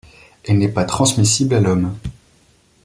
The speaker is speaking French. Elle n'est pas transmissible à l'homme.